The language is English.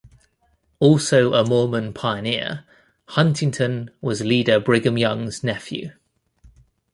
Also a Mormon pioneer, Huntington was leader Brigham Young's nephew.